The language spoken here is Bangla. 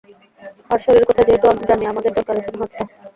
আর শরীর কোথায় যেহেতু জানি আমাদের দরকার এখন হাতটা।